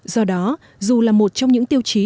do đó dù là một trong những tiêu chí